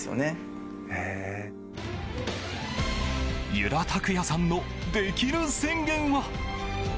由良拓也さんのできる宣言は。